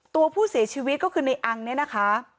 ตัวผู้เสียชีวิตก็คือในอังเนี่ยนะคะ